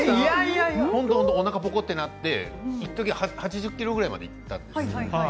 おなかがぽこっとなっていっとき８０ｋｇぐらいまでいったんです。